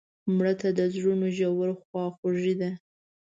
مړه ته د زړونو ژوره خواخوږي ده